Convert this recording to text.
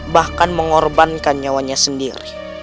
bahkan mengorbankan nyawanya sendiri